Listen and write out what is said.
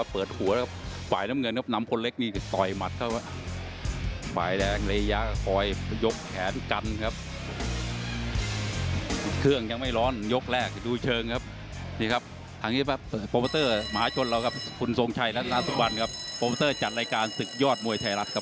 เพื่อจัดรายการศึกยอดมวยไทยรัฐ